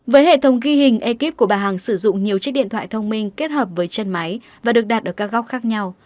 với hệ thống ghi hình ekip của bà hằng sử dụng nhiều chiếc điện thoại thông minh kết hợp với chân máy và được đặt ở các góc khác nhau